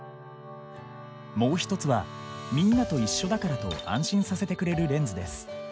もう一つは「みんなと一緒だから」と安心させてくれるレンズです。